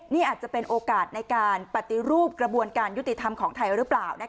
นี่อาจจะเป็นโอกาสในการปฏิรูปกระบวนการยุติธรรมของไทยหรือเปล่า